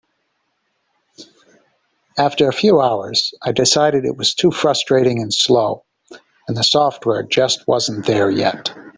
After a few hours I decided it was too frustrating and slow, and the software just wasn't there yet.